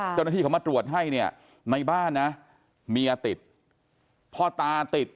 เจ้าหน้าที่เขามาตรวจให้เนี่ยในบ้านนะเมียติดพ่อตาติด